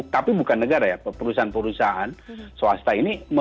tapi bukan negara ya perusahaan perusahaan swasta ini